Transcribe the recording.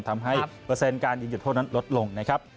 เปอร์เซ็นต์การยิงจุดโทษนั้นลดลงนะครับ